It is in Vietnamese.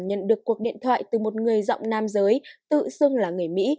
nhận được cuộc điện thoại từ một người rộng nam giới tự xưng là người mỹ